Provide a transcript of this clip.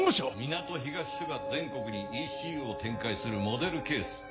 港東署が全国にＥＣＵを展開するモデルケース。